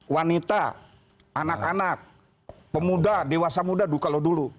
wanita anak anak pemuda dewasa muda kalau dulu